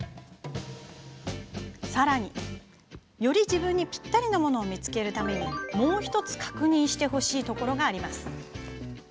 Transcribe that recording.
さらに、より自分にぴったりなものを見つけるためにもう１つ確認してほしいところがあります。